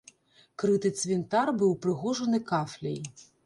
Крыты цвінтар быў упрыгожаны кафляй.